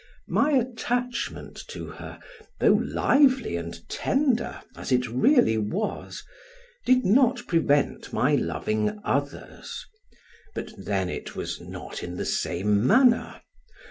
My attachment to her (though lively and tender, as it really was) did not prevent my loving others, but then it was not in the same manner.